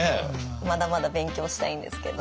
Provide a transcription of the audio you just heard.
まだまだ勉強したいんですけど。